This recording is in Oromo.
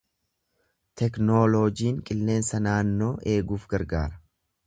Teknooloojiin qilleensa naannoo eeguuf gargaara.